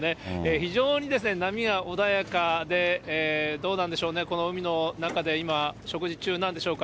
非常に波が穏やかで、どうなんでしょうね、この海の中で今、食事中なんでしょうか。